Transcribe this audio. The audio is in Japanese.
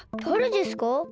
だれですか？